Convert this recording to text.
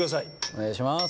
お願いします